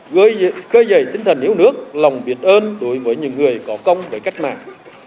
gơi dày tinh thần hiếu nước lòng biệt ơn đối với những người có công với cách mạng